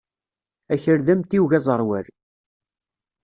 Akal d amtiweg aẓerwal.